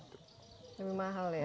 lebih mahal ya